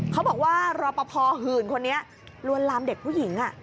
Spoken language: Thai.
เขาบอกว่ารอปภหื่นคนนี้ลวนลามเด็กผู้หญิง